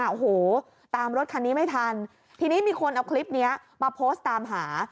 โอ้โหตามรถคันนี้ไม่ทันทีนี้มีคนเอาคลิปเนี้ยมาโพสต์ตามหา